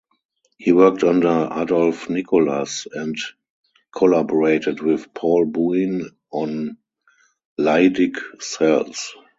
He worked under Adolph Nicolas and collaborated with Paul Bouin on Leydig cells.